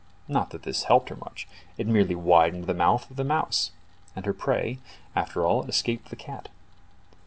Not that this helped her much, it merely widened the mouth of the mouse, and her prey after all escaped the cat.